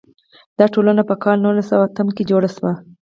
دا ټولنې په کال نولس سوه اتم کې جوړې شوې.